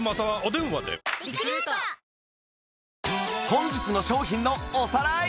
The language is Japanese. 本日の商品のおさらい